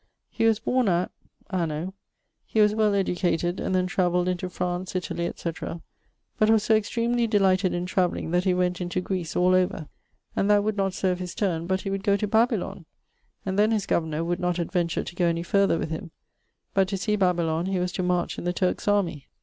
He was borne at ... anno.... He was well educated, and then travelled into France, Italie, &c. but was so extremely delighted in travelling, that he went into Greece, all over; and that would not serve his turne but he would goe to Babylon, and then his governour would not adventure to goe any further with him; but to see Babylon he was to march in the Turks' armie.